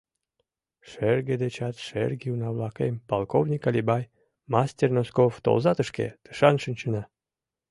Шерге дечат шерге уна-влакем, полковник Алибай, мастер Носков, толза тышке, тышан шинчына.